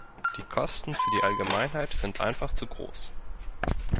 Die Kosten für die Allgemeinheit sind einfach zu groß.